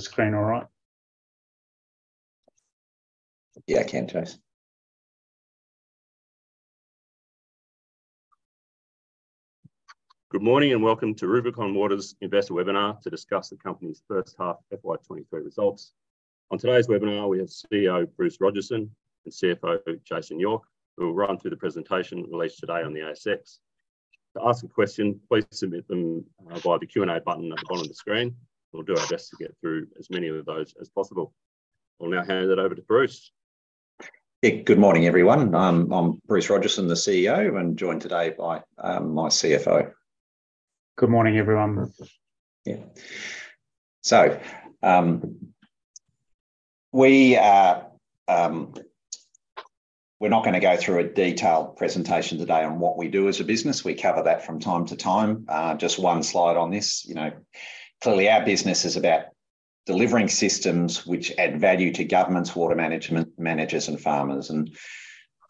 The screen all right? Yeah, a contrast. Good morning and welcome to Rubicon Water's investor webinar to discuss the company's first half FY23 results. On today's webinar, we have CEO Bruce Rodgerson and CFO Jason York, who will run through the presentation released today on the ASX. To ask a question, please submit them via the Q&A button at the bottom of the screen. We'll do our best to get through as many of those as possible. I'll now hand it over to Bruce. Good morning, everyone. I'm Bruce Rodgerson, the CEO, and joined today by my CFO. Good morning, everyone. Yeah, so we're not going to go through a detailed presentation today on what we do as a business. We cover that from time to time. Just one slide on this. Clearly, our business is about delivering systems which add value to governments, water management managers, and farmers, and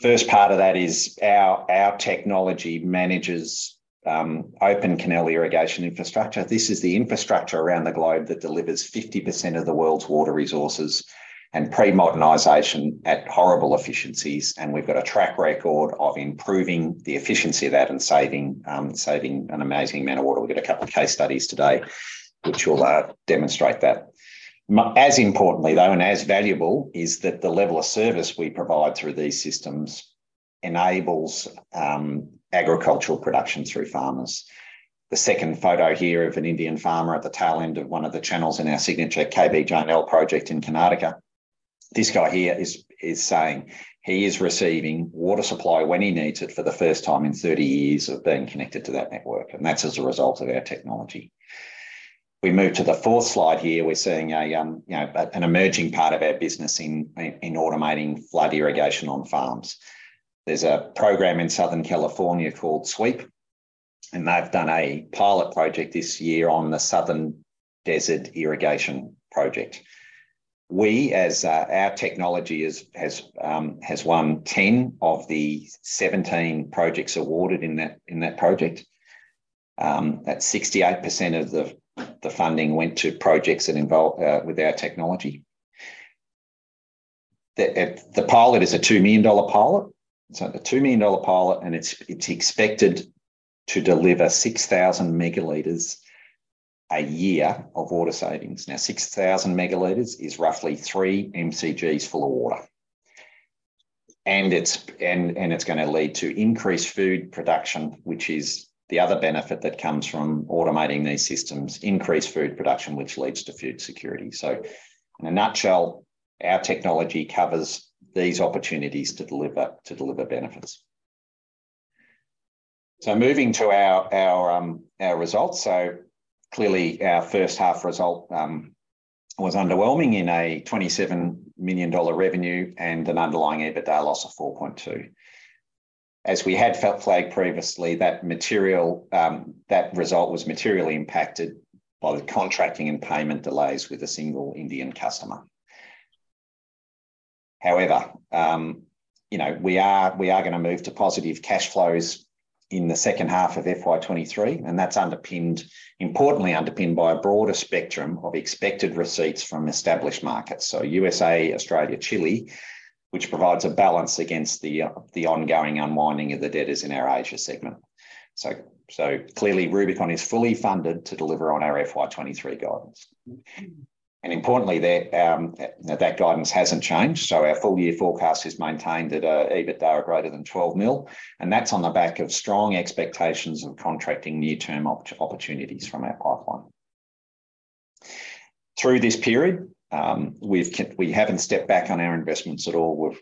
the first part of that is our technology manages open canal irrigation infrastructure. This is the infrastructure around the globe that delivers 50% of the world's water resources and pre-modernization at horrible efficiencies, and we've got a track record of improving the efficiency of that and saving an amazing amount of water. We've got a couple of case studies today which will demonstrate that. As importantly, though, and as valuable, is that the level of service we provide through these systems enables agricultural production through farmers. The second photo here of an Indian farmer at the tail end of one of the channels in our signature KBJNL project in Karnataka. This guy here is saying he is receiving water supply when he needs it for the first time in 30 years of being connected to that network. And that's as a result of our technology. We move to the fourth slide here. We're seeing an emerging part of our business in automating flood irrigation on farms. There's a program in Southern California called SWEEP, and they've done a pilot project this year on the Southern Desert irrigation project. We, as our technology, has won 10 of the 17 projects awarded in that project. That's 68% of the funding went to projects with our technology. The pilot is a $2 million pilot. It's a $2 million pilot, and it's expected to deliver 6,000 megaliters a year of water savings. Now, 6,000 megaliters is roughly three mcg's full of water, and it's going to lead to increased food production, which is the other benefit that comes from automating these systems increased food production, which leads to food security. So, in a nutshell, our technology covers these opportunities to deliver benefits. So moving to our results, so clearly, our first half result was underwhelming in a $27 million revenue and an underlying EBITDA loss of 4.2. As we had flagged previously, that result was materially impacted by the contracting and payment delays with a single Indian customer. However, we are going to move to positive cash flows in the second half of FY23, and that's importantly underpinned by a broader spectrum of expected receipts from established markets. USA, Australia, Chile, which provides a balance against the ongoing unwinding of the debtors in our Asia segment. Clearly, Rubicon is fully funded to deliver on our FY23 guidance. Importantly, that guidance hasn't changed. Our full year forecast is maintained at an EBITDA of greater than $12 million, and that's on the back of strong expectations of contracting near-term opportunities from our pipeline. Through this period, we haven't stepped back on our investments at all.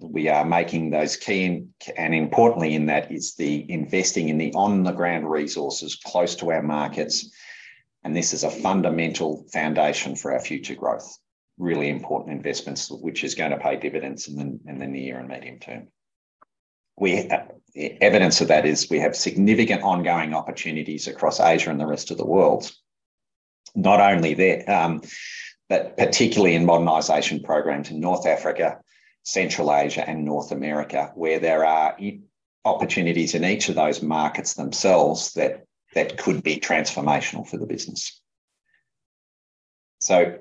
We are making those key, and importantly in that is the investing in the on-the-ground resources close to our markets. This is a fundamental foundation for our future growth. Really important investments, which is going to pay dividends in the near and medium term. Evidence of that is we have significant ongoing opportunities across Asia and the rest of the world. Not only there, but particularly in modernization programs in North Africa, Central Asia, and North America, where there are opportunities in each of those markets themselves that could be transformational for the business. So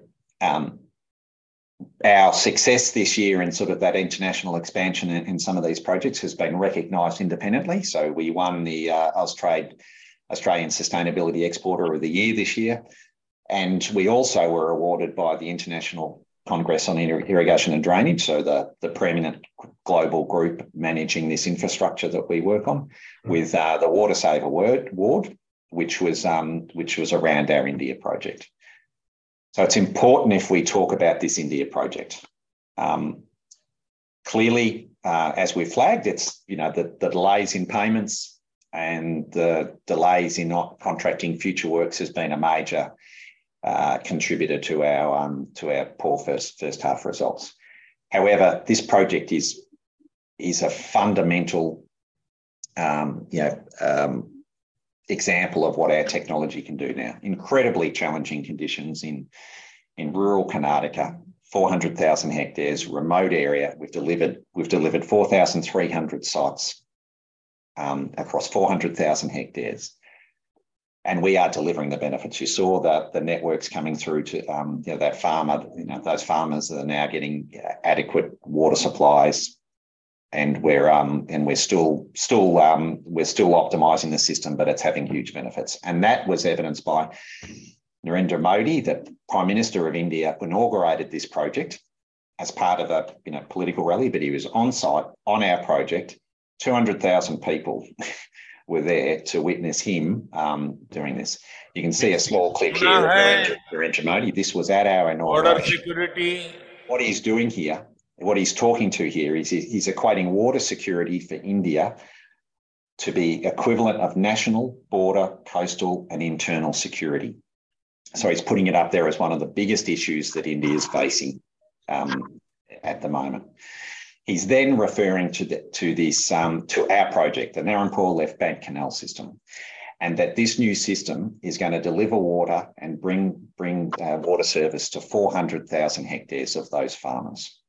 our success this year in sort of that international expansion in some of these projects has been recognized independently. So we won the Australian Sustainability Exporter of the Year this year. And we also were awarded by the International Congress on Irrigation and Drainage, so the preeminent global group managing this infrastructure that we work on, with the WaterSaver Award, which was around our India project. So it's important if we talk about this India project. Clearly, as we've flagged, the delays in payments and the delays in contracting future works has been a major contributor to our poor first half results. However, this project is a fundamental example of what our technology can do now. Incredibly challenging conditions in rural Karnataka, 400,000 hectares, remote area. We've delivered 4,300 sites across 400,000 hectares. And we are delivering the benefits. You saw the networks coming through to that farmer. Those farmers are now getting adequate water supplies. And we're still optimizing the system, but it's having huge benefits. And that was evidenced by Narendra Modi, the Prime Minister of India, who inaugurated this project as part of a political rally, but he was on site on our project. 200,000 people were there to witness him doing this. You can see a small clip here of Narendra Modi. This was at our inauguration. What he's doing here, what he's talking to here is he's equating water security for India to be equivalent of national, border, coastal, and internal security. So he's putting it up there as one of the biggest issues that India is facing at the moment. He's then referring to our project, the Narayanpur Left Bank Canal System, and that this new system is going to deliver water and bring water service to 400,000 hectares of those farmers.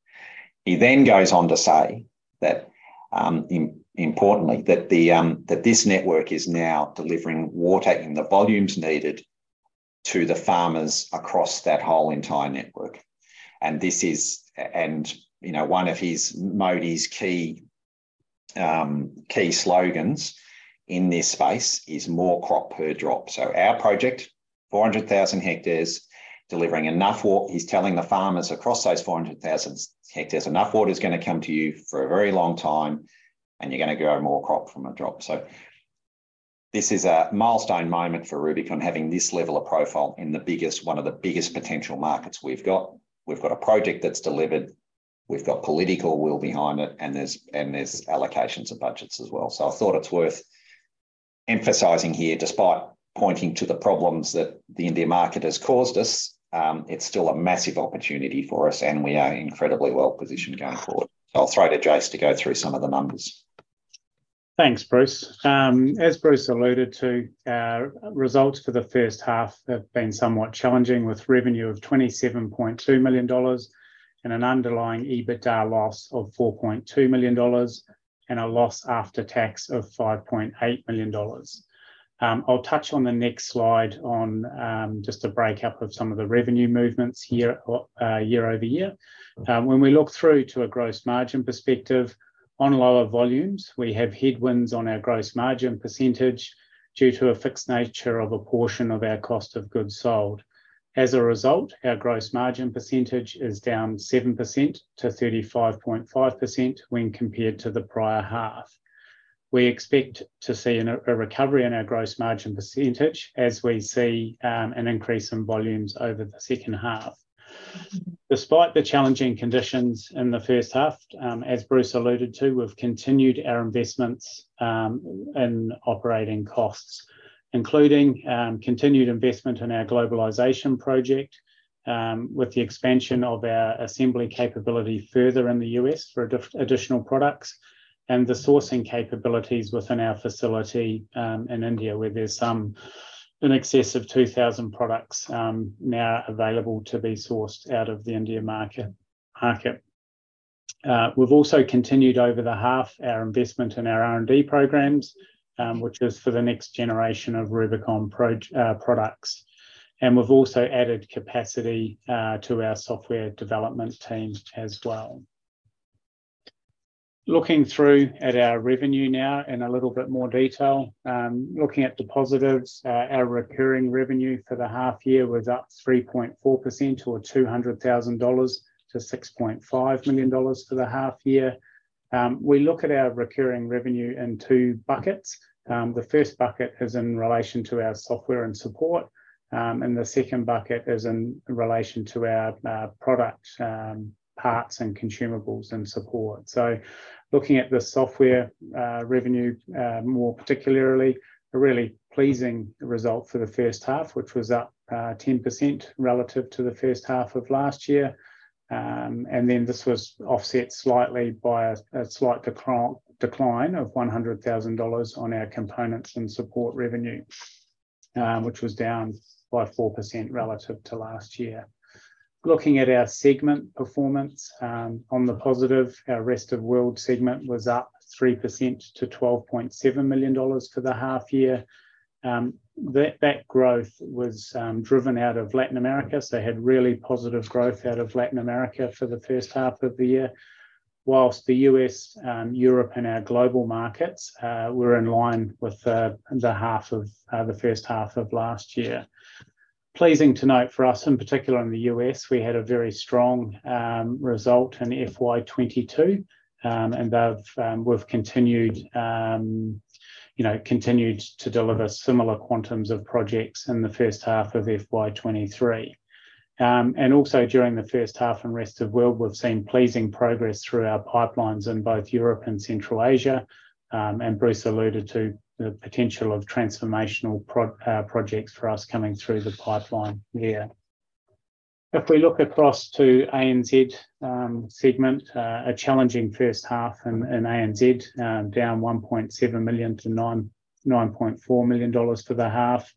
He then goes on to say, importantly, that this network is now delivering water in the volumes needed to the farmers across that whole entire network. One of Modi's key slogans in this space is more crop per drop. Our project, 400,000 hectares, delivering enough water. He's telling the farmers across those 400,000 hectares, "Enough water is going to come to you for a very long time, and you're going to grow more crop from a drop." This is a milestone moment for Rubicon having this level of profile in one of the biggest potential markets we've got. We've got a project that's delivered. We've got political will behind it, and there's allocations of budgets as well. So I thought it's worth emphasizing here, despite pointing to the problems that the India market has caused us, it's still a massive opportunity for us, and we are incredibly well positioned going forward. So I'll throw to Jason to go through some of the numbers. Thanks, Bruce. As Bruce alluded to, our results for the first half have been somewhat challenging with revenue of $27.2 million and an underlying EBITDA loss of $4.2 million and a loss after tax of $5.8 million. I'll touch on the next slide on just a breakdown of some of the revenue movements year over year. When we look through to a gross margin perspective on lower volumes, we have headwinds on our gross margin percentage due to a fixed nature of a portion of our cost of goods sold. As a result, our gross margin percentage is down 7% to 35.5% when compared to the prior half. We expect to see a recovery in our gross margin percentage as we see an increase in volumes over the second half. Despite the challenging conditions in the first half, as Bruce alluded to, we've continued our investments in operating costs, including continued investment in our globalization project with the expansion of our assembly capability further in the U.S. for additional products and the sourcing capabilities within our facility in India, where there's some in excess of 2,000 products now available to be sourced out of the India market. We've also continued over the half our investment in our R&D programs, which is for the next generation of Rubicon products, and we've also added capacity to our software development team as well. Looking through at our revenue now in a little bit more detail, looking at the positives, our recurring revenue for the half year was up 3.4% or $200,000 to $6.5 million for the half year. We look at our recurring revenue in two buckets. The first bucket is in relation to our software and support, and the second bucket is in relation to our product parts and consumables and support. So looking at the software revenue more particularly, a really pleasing result for the first half, which was up 10% relative to the first half of last year. And then this was offset slightly by a slight decline of $100,000 on our components and support revenue, which was down by 4% relative to last year. Looking at our segment performance on the positive, our rest of world segment was up 3% to $12.7 million for the half year. That growth was driven out of Latin America, so had really positive growth out of Latin America for the first half of the year, while the U.S., Europe, and our global markets were in line with the half of the first half of last year. Pleasing to note for us, in particular in the US, we had a very strong result in FY22, and we've continued to deliver similar quantums of projects in the first half of FY23. Also during the first half and rest of world, we've seen pleasing progress through our pipelines in both Europe and Central Asia. Bruce alluded to the potential of transformational projects for us coming through the pipeline here. If we look across to ANZ segment, a challenging first half in ANZ, down $1.7 million to $9.4 million for the half.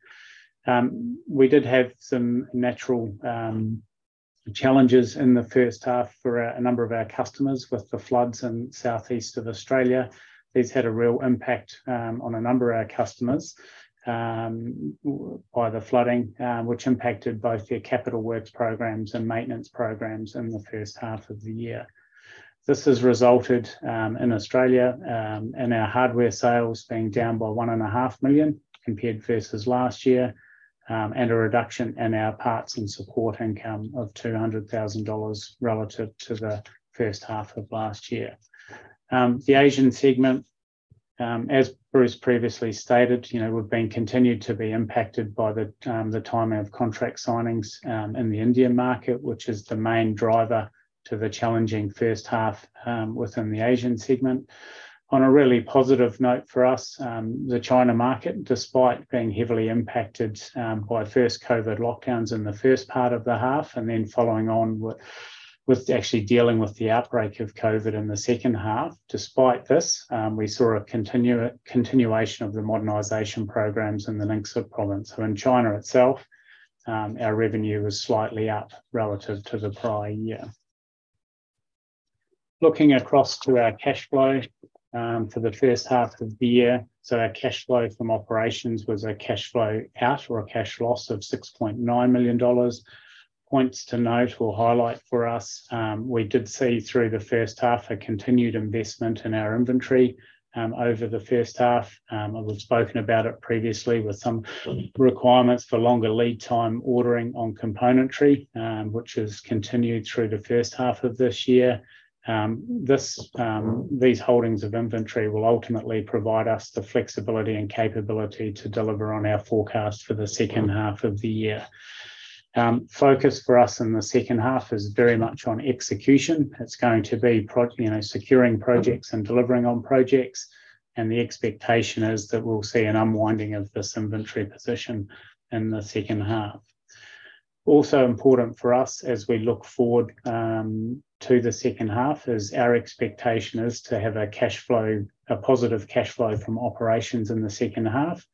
We did have some natural challenges in the first half for a number of our customers with the floods in southeast of Australia. These had a real impact on a number of our customers by the flooding, which impacted both their capital works programs and maintenance programs in the first half of the year. This has resulted in Australia and our hardware sales being down by $1.5 million compared versus last year, and a reduction in our parts and support income of $200,000 relative to the first half of last year. The Asian segment, as Bruce previously stated, we've been continued to be impacted by the time of contract signings in the Indian market, which is the main driver to the challenging first half within the Asian segment. On a really positive note for us, the China market, despite being heavily impacted by first COVID lockdowns in the first part of the half and then following on with actually dealing with the outbreak of COVID in the second half, despite this, we saw a continuation of the modernization programs in the Ningxia province. So in China itself, our revenue was slightly up relative to the prior year. Looking across to our cash flow for the first half of the year, so our cash flow from operations was a cash flow out or a cash loss of $6.9 million. Points to note or highlight for us, we did see through the first half a continued investment in our inventory over the first half. We've spoken about it previously with some requirements for longer lead time ordering on componentry, which has continued through the first half of this year. These holdings of inventory will ultimately provide us the flexibility and capability to deliver on our forecast for the second half of the year. Focus for us in the second half is very much on execution. It's going to be securing projects and delivering on projects. And the expectation is that we'll see an unwinding of this inventory position in the second half. Also important for us as we look forward to the second half is our expectation is to have a positive cash flow from operations in the second half.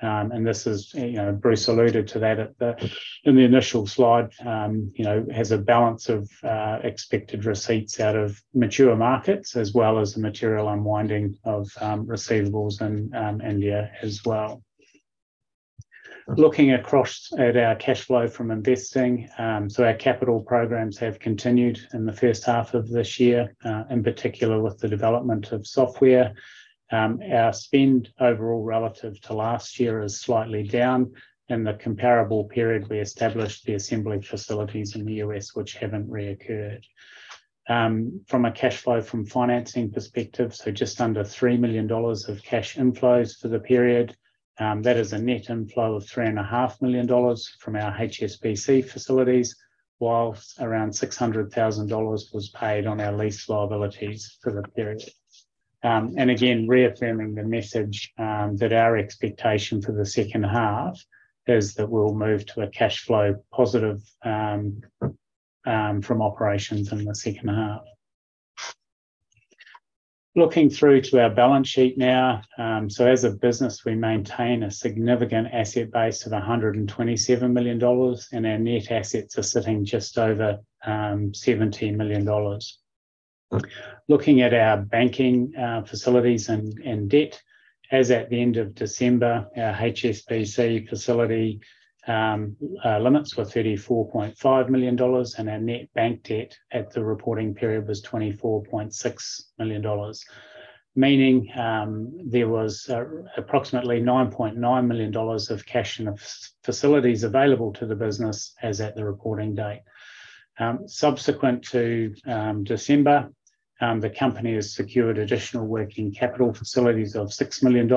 And Bruce alluded to that in the initial slide, has a balance of expected receipts out of mature markets as well as the material unwinding of receivables in India as well. Looking across at our cash flow from investing, so our capital programs have continued in the first half of this year, in particular with the development of software. Our spend overall relative to last year is slightly down in the comparable period we established the assembly facilities in the U.S., which haven't reoccurred. From a cash flow from financing perspective, so just under $3 million of cash inflows for the period. That is a net inflow of $3.5 million from our HSBC facilities, while around $600,000 was paid on our lease liabilities for the period. And again, reaffirming the message that our expectation for the second half is that we'll move to a cash flow positive from operations in the second half. Looking through to our balance sheet now, so as a business, we maintain a significant asset base of $127 million, and our net assets are sitting just over $17 million. Looking at our banking facilities and debt, as at the end of December, our HSBC facility limits were $34.5 million, and our net bank debt at the reporting period was $24.6 million, meaning there was approximately $9.9 million of cash and facilities available to the business as at the reporting date. Subsequent to December, the company has secured additional working capital facilities of $6 million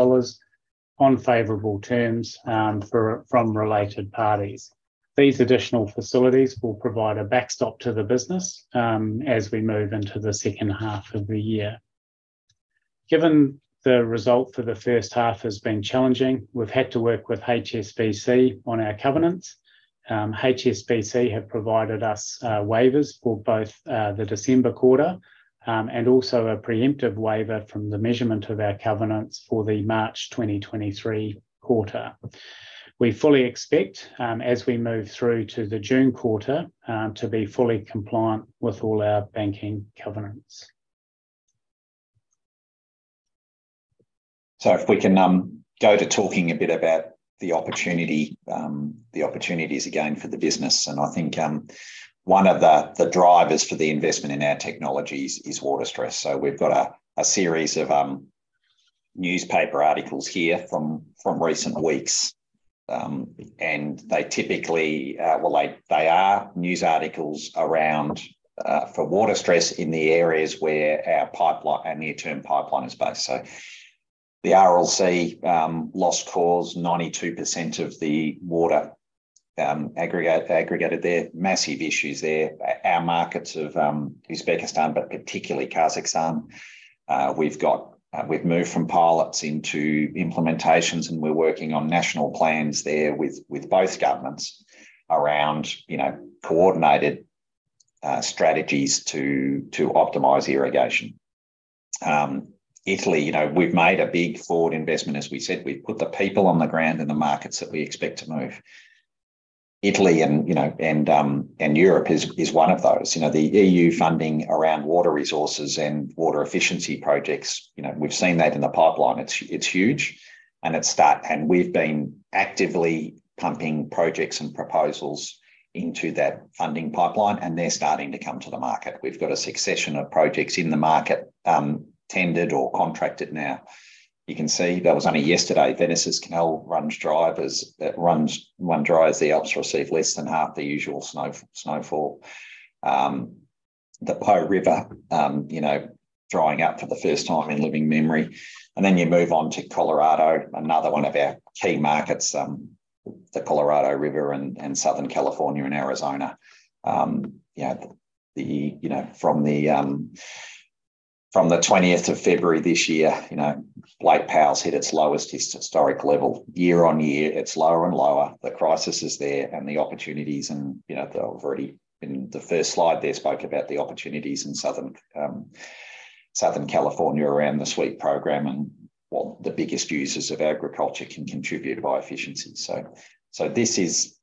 on favorable terms from related parties. These additional facilities will provide a backstop to the business as we move into the second half of the year. Given the result for the first half has been challenging, we've had to work with HSBC on our covenants. HSBC have provided us waivers for both the December quarter and also a preemptive waiver from the measurement of our covenants for the March 2023 quarter. We fully expect, as we move through to the June quarter, to be fully compliant with all our banking covenants. If we can go to talking a bit about the opportunities again for the business. I think one of the drivers for the investment in our technologies is water stress. We've got a series of newspaper articles here from recent weeks, and they typically, well, they are news articles around for water stress in the areas where our near-term pipeline is based. The Aral Sea loss caused 92% of the water aggregated there. Massive issues there. Our markets of Uzbekistan, but particularly Kazakhstan, we've moved from pilots into implementations, and we're working on national plans there with both governments around coordinated strategies to optimize irrigation. Italy, we've made a big forward investment. As we said, we've put the people on the ground in the markets that we expect to move. Italy and Europe is one of those. The EU funding around water resources and water efficiency projects, we've seen that in the pipeline. It's huge, and we've been actively pumping projects and proposals into that funding pipeline, and they're starting to come to the market. We've got a succession of projects in the market tendered or contracted now. You can see that was only yesterday. Venice's canals run dry as the Alps receive less than half the usual snowfall. The Po River drying up for the first time in living memory, and then you move on to Colorado, another one of our key markets, the Colorado River and Southern California and Arizona. From the 20th of February this year, Lake Powell's hit its lowest historic level. Year on year, it's lower and lower. The crisis is there, and the opportunities, and they've already been the first slide there spoke about the opportunities in Southern California around the SWEEP program and what the biggest users of agriculture can contribute by efficiency, so these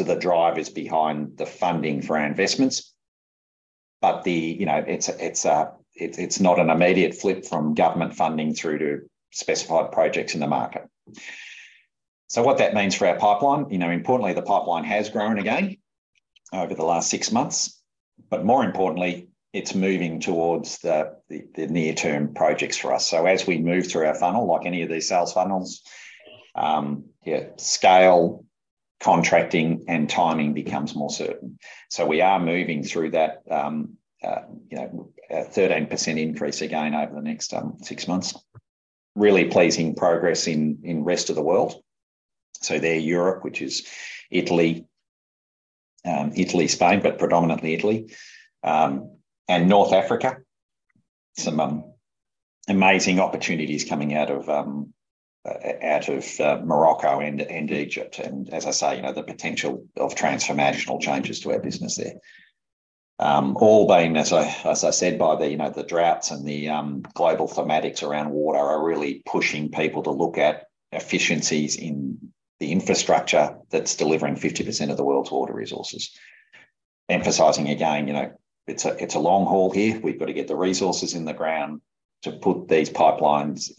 are the drivers behind the funding for our investments, but it's not an immediate flip from government funding through to specified projects in the market, so what that means for our pipeline, importantly, the pipeline has grown again over the last six months, but more importantly, it's moving towards the near-term projects for us, so as we move through our funnel, like any of these sales funnels, scale, contracting, and timing becomes more certain, so we are moving through that 13% increase again over the next six months. Really pleasing progress in rest of the world. So there, Europe, which is Italy, Spain, but predominantly Italy, and North Africa, some amazing opportunities coming out of Morocco and Egypt, and as I say, the potential of transformational changes to our business there. All being, as I said, by the droughts and the global thematic around water are really pushing people to look at efficiencies in the infrastructure that's delivering 50% of the world's water resources. Emphasizing again, it's a long haul here. We've got to get the resources in the ground to build these pipelines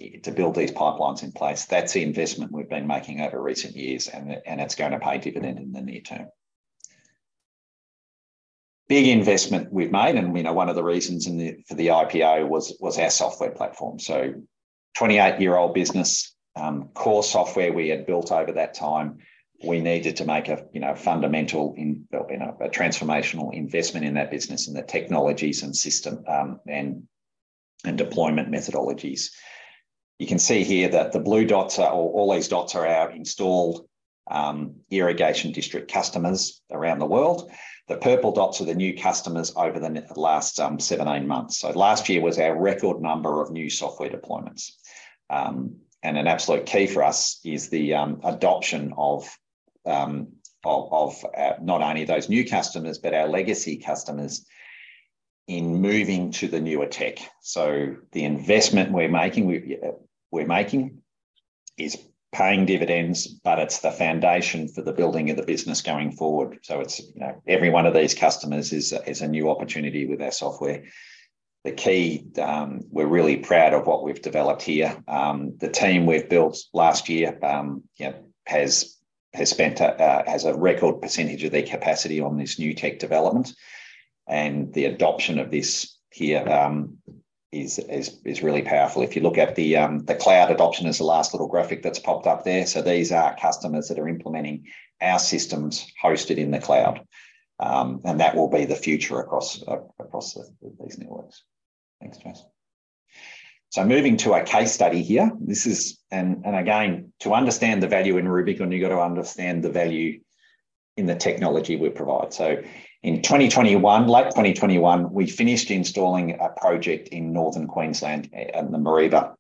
in place. That's the investment we've been making over recent years, and it's going to pay dividend in the near term. Big investment we've made, and one of the reasons for the IPO was our software platform. So 28-year-old business, core software we had built over that time. We needed to make a fundamental transformational investment in that business and the technologies and system and deployment methodologies. You can see here that the blue dots are our installed irrigation district customers around the world. The purple dots are the new customers over the last seven, eight months. So last year was our record number of new software deployments. And an absolute key for us is the adoption of not only those new customers, but our legacy customers in moving to the newer tech. So the investment we're making is paying dividends, but it's the foundation for the building of the business going forward. So every one of these customers is a new opportunity with our software. The key, we're really proud of what we've developed here. The team we've built last year has a record percentage of their capacity on this new tech development. The adoption of this here is really powerful. If you look at the cloud adoption as the last little graphic that's popped up there, so these are customers that are implementing our systems hosted in the cloud. And that will be the future across these networks. Next, so moving to a case study here. And again, to understand the value in Rubicon, you've got to understand the value in the technology we provide. So in 2021, late 2021, we finished installing a project in Northern Queensland and the Mareeba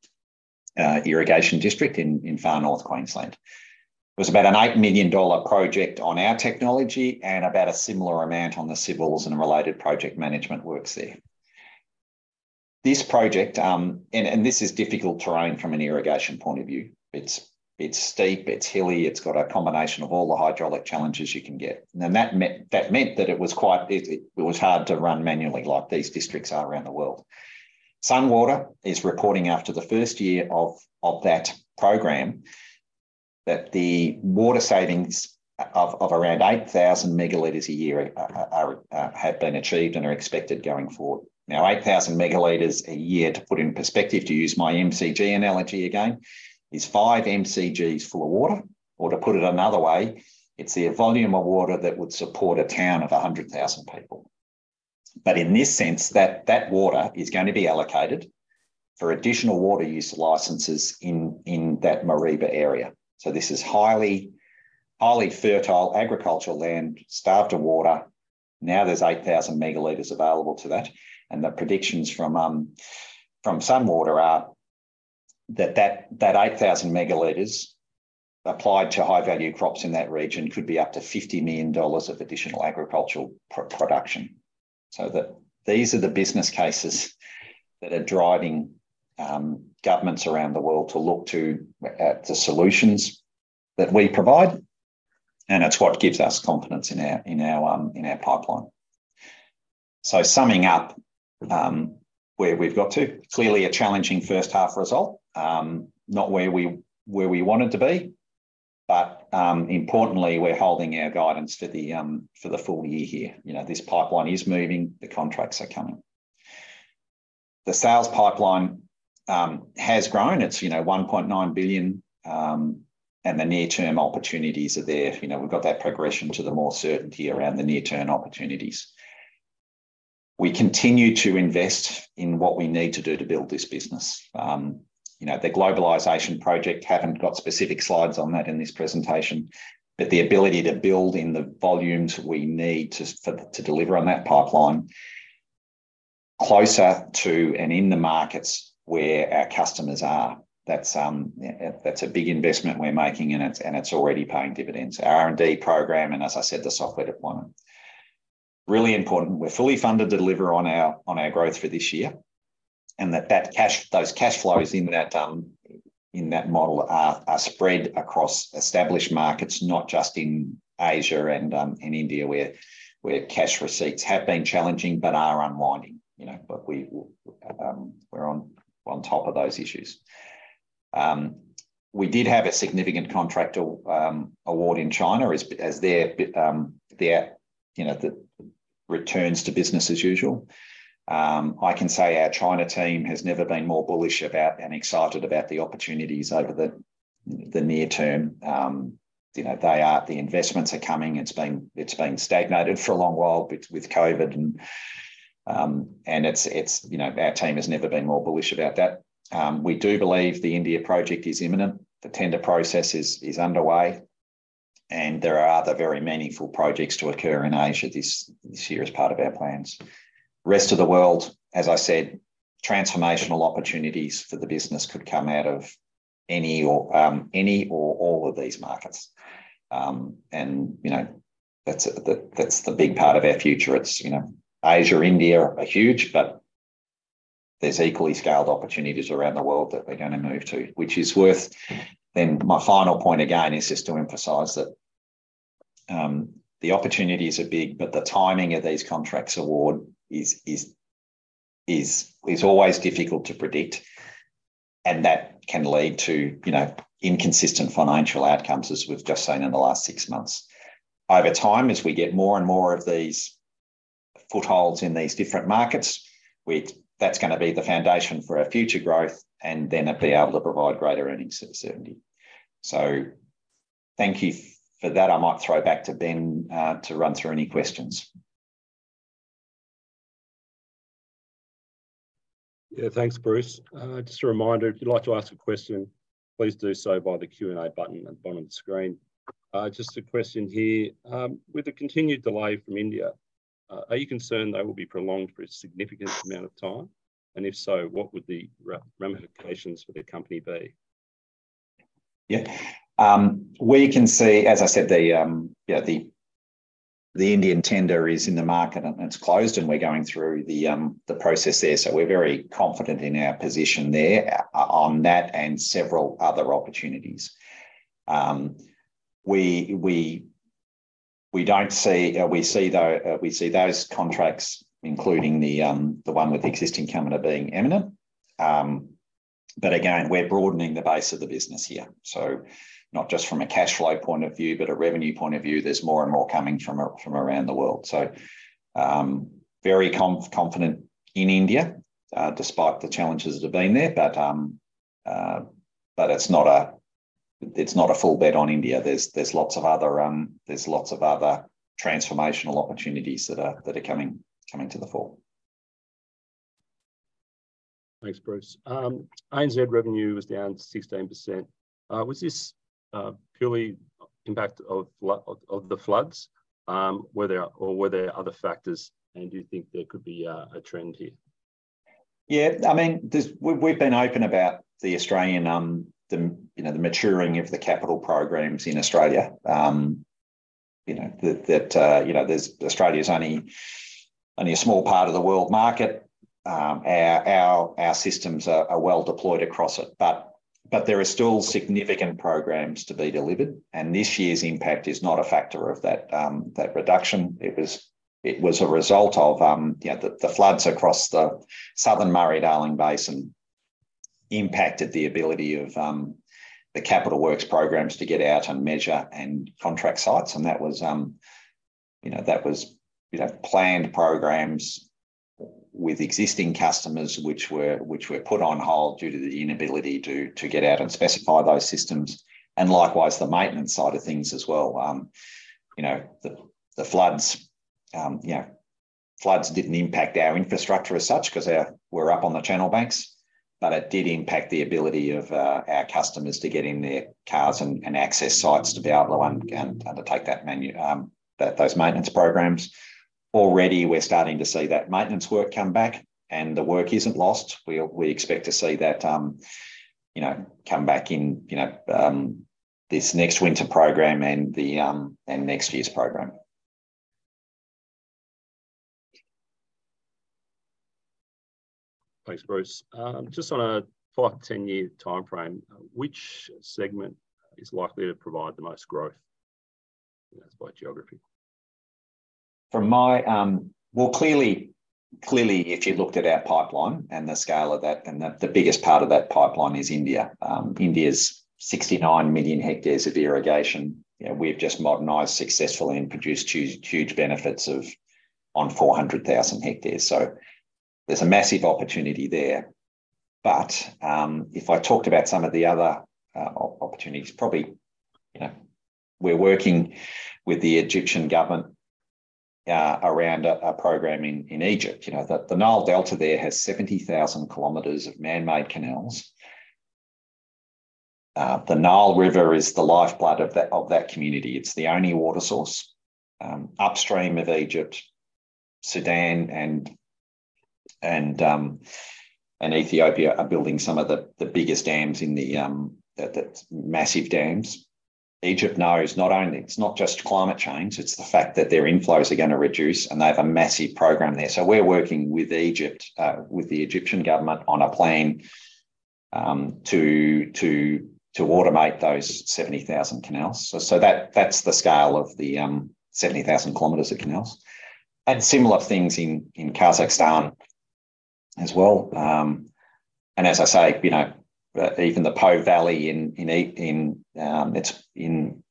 Irrigation District in Far North Queensland. It was about an $8 million project on our technology and about a similar amount on the civils and related project management works there. This project, and this is difficult to run from an irrigation point of view. It's steep, it's hilly, it's got a combination of all the hydraulic challenges you can get, and that meant that it was hard to run manually like these districts are around the world. Sunwater is reporting after the first year of that program that the water savings of around 8,000 megaliters a year have been achieved and are expected going forward. Now, 8,000 megaliters a year, to put in perspective, to use my mcg analogy again, is five mcg's full of water, or to put it another way, it's the volume of water that would support a town of 100,000 people, but in this sense, that water is going to be allocated for additional water use licenses in that Mareeba area, so this is highly fertile agricultural land, starved of water. Now there's 8,000 megaliters available to that. The predictions from Sunwater are that 8,000 megalitres applied to high-value crops in that region could be up to $50 million of additional agricultural production. So these are the business cases that are driving governments around the world to look at the solutions that we provide. And it's what gives us confidence in our pipeline. So summing up where we've got to, clearly a challenging first half result, not where we wanted to be. But importantly, we're holding our guidance for the full year here. This pipeline is moving, the contracts are coming. The sales pipeline has grown. It's $1.9 billion, and the near-term opportunities are there. We've got that progression to the more certainty around the near-term opportunities. We continue to invest in what we need to do to build this business. The globalization project haven't got specific slides on that in this presentation, but the ability to build in the volumes we need to deliver on that pipeline closer to and in the markets where our customers are, that's a big investment we're making, and it's already paying dividends. Our R&D program, and as I said, the software deployment, really important. We're fully funded to deliver on our growth for this year, and that those cash flows in that model are spread across established markets, not just in Asia and India where cash receipts have been challenging but are unwinding, but we're on top of those issues. We did have a significant contractor award in China as they return to business as usual. I can say our China team has never been more bullish about and excited about the opportunities over the near term. The investments are coming. It's been stagnant for a long while with COVID, and our team has never been more been issue about that. We do believe the India project is imminent. The tender process is underway, and there are other very meaningful projects to occur in Asia this year as part of our plans. Rest of the world, as I said, transformational opportunities for the business could come out of any or all of these markets. And that's the big part of our future. It's Asia, India, huge, but there's equally scaled opportunities around the world that we're going to move to, which is worth. Then my final point again is just to emphasize that the opportunities are big, but the timing of these contract awards is always difficult to predict. And that can lead to inconsistent financial outcomes, as we've just seen in the last six months. Over time, as we get more and more of these footholds in these different markets, that's going to be the foundation for our future growth and then be able to provide greater earnings certainty. So thank you for that. I might throw back to Ben to run through any questions. Yeah, thanks, Bruce. Just a reminder, if you'd like to ask a question, please do so by the Q&A button at the bottom of the screen. Just a question here. With the continued delay from India, are you concerned they will be prolonged for a significant amount of time? And if so, what would the ramifications for the company be? Yeah. We can see, as I said, the Indian tender is in the market and it's closed, and we're going through the process there. So we're very confident in our position there on that and several other opportunities. We don't see those contracts, including the one with existing customer being imminent. But again, we're broadening the base of the business here. So not just from a cash flow point of view, but a revenue point of view, there's more and more coming from around the world. So very confident in India, despite the challenges that have been there. But it's not a full bet on India. There's lots of other transformational opportunities that are coming to the fore. Thanks, Bruce. ANZ revenue was down 16%. Was this purely impact of the floods, or were there other factors? And do you think there could be a trend here? Yeah. I mean, we've been open about the maturing of the capital programs in Australia. That Australia is only a small part of the world market. Our systems are well deployed across it. But there are still significant programs to be delivered. And this year's impact is not a factor of that reduction. It was a result of the floods across the Southern Murray-Darling Basin impacted the ability of the capital works programs to get out and measure and contract sites. And that was planned programs with existing customers which were put on hold due to the inability to get out and specify those systems. And likewise, the maintenance side of things as well. The floods didn't impact our infrastructure as such because we're up on the channel banks. But it did impact the ability of our customers to get in their cars and access sites to be able to take those maintenance programs. Already, we're starting to see that maintenance work come back, and the work isn't lost. We expect to see that come back in this next winter program and next year's program. Thanks, Bruce. Just wanna talk 10-year timeframe, which segment is likely to provide the most growth by geography? Clearly, if you looked at our pipeline and the scale of that, and the biggest part of that pipeline is India. India's 69 million hectares of irrigation. We've just modernized successfully and produced huge benefits on 400,000 hectares. There's a massive opportunity there. If I talked about some of the other opportunities, probably we're working with the Egyptian government around a program in Egypt. The Nile Delta there has 70,000 kilometers of man-made canals. The Nile River is the lifeblood of that community. It's the only water source. Upstream of Egypt, Sudan, and Ethiopia are building some of the biggest dams in the massive dams. Egypt knows not only it's not just climate change, it's the fact that their inflows are going to reduce, and they have a massive program there. So we're working with Egypt, with the Egyptian government, on a plan to automate those 70,000 canals. So that's the scale of the 70,000 kilometers of canals. And similar things in Kazakhstan as well. And as I say, even the Po Valley in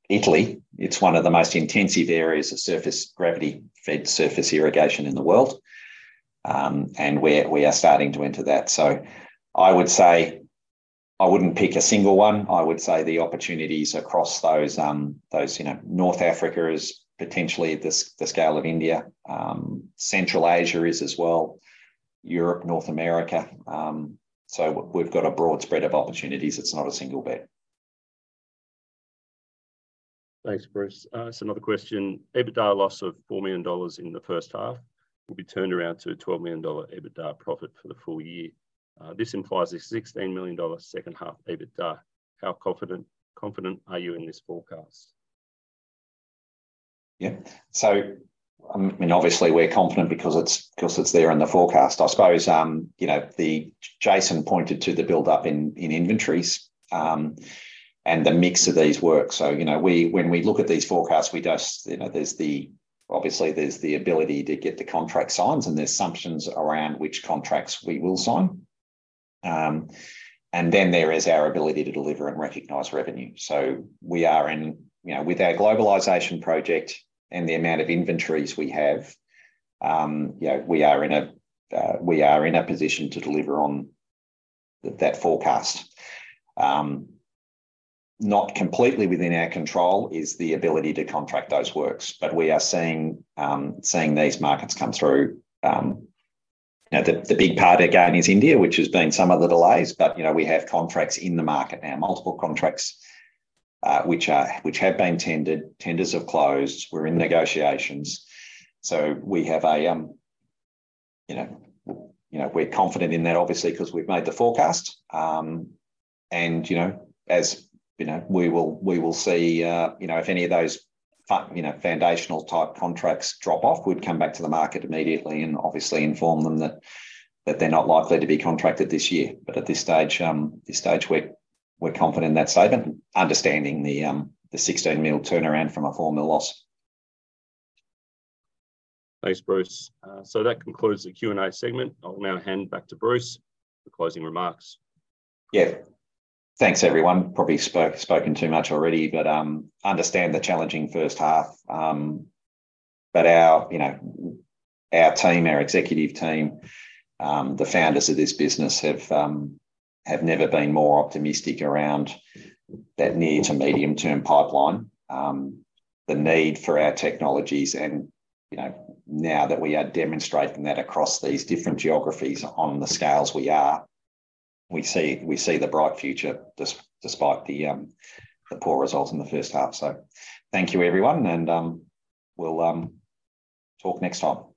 Italy, it's one of the most intensive areas of surface gravity-fed surface irrigation in the world. And we are starting to enter that. So I would say I wouldn't pick a single one. I would say the opportunities across those North Africa is potentially the scale of India. Central Asia is as well. Europe, North America. So we've got a broad spread of opportunities. It's not a single bet. Thanks, Bruce. So another question. EBITDA loss of $4 million in the first half will be turned around to a $12 million EBITDA profit for the full year. This implies a $16 million second half EBITDA. How confident are you in this forecast? Yeah. So I mean, obviously, we're confident because it's there in the forecast. I suppose Jason pointed to the build-up in inventories and the mix of these works. So when we look at these forecasts, there's obviously the ability to get the contract signs and the assumptions around which contracts we will sign. And then there is our ability to deliver and recognize revenue. So we are in with our globalization project and the amount of inventories we have, we are in a position to deliver on that forecast. Not completely within our control is the ability to contract those works. But we are seeing these markets come through. The big part, again, is India, which has been some of the delays. But we have contracts in the market now, multiple contracts which have been tenders, have closed. We're in negotiations. So we're confident in that, obviously, because we've made the forecast. And as we will see, if any of those foundational type contracts drop off, we'd come back to the market immediately and obviously inform them that they're not likely to be contracted this year. But at this stage, we're confident in that statement, understanding the $16 million turnaround from a $4 million loss. Thanks, Bruce. So that concludes the Q&A segment. I'll now hand back to Bruce for closing remarks. Yeah. Thanks, everyone. Probably spoken too much already, but understand the challenging first half. But our team, our executive team, the founders of this business have never been more optimistic around that near-to-medium-term pipeline. The need for our technologies, and now that we are demonstrating that across these different geographies on the scales we are, we see the bright future despite the poor results in the first half. So thank you, everyone. And we'll talk next time.